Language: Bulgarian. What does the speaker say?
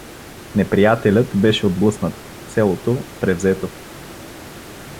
Неприятелят беше отблъснат, селото — превзето.